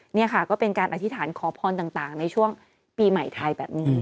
นี่ค่ะก็เป็นการอธิษฐานขอพรต่างในช่วงปีใหม่ไทยแบบนี้